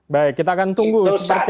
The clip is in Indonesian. baik kita akan tunggu seperti apa